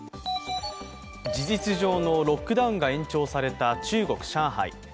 事実上のロックダウンが延長された中国・上海。